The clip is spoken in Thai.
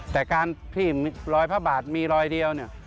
แต่การที่รอยพระบาทมีรอยเดียวเนี่ย